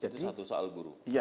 jadi itu itu adalah satu soal guru